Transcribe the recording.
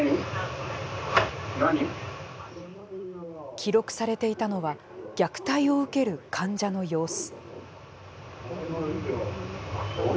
記録されていたのは虐待を受ける患者の様子。